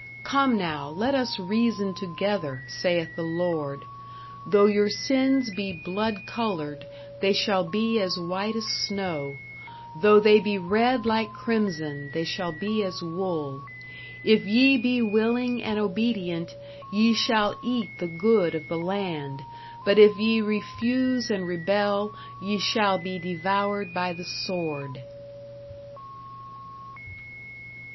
Come now, let us reason together, saith the Lord. Though your sins be blood colored, they shall be as white as snow; though they be red like crimson, they shall be as wool. If ye be willing and obedient, ye shall eat the good of the land. But if ye refuse and rebel, ye shall be devoured by the sword.